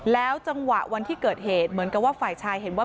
แล้วจังหวะวันที่เกิดเหตุเหมือนกับว่าฝ่ายชายเห็นว่า